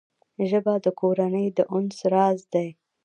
ژبه د کورنۍ د انس راز دی